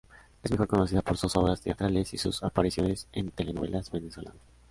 Es mejor conocida por sus obras teatrales y sus apariciones en telenovelas venezolanas.